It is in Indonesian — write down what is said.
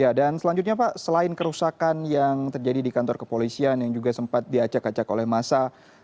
ya dan selanjutnya pak selain kerusakan yang terjadi di kantor kepolisian yang juga sempat diacak acak oleh masa